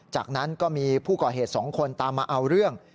จากนั้นก็มีผู้ก่อเหตุ๒คนตามมาเอาเรื่อง